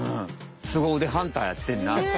すごうでハンターやってんな。